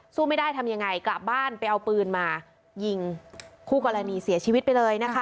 สู้ไม่ได้ทำยังไงกลับบ้านไปเอาปืนมายิงคู่กรณีเสียชีวิตไปเลยนะคะ